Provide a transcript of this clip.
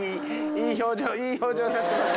いい表情になってます。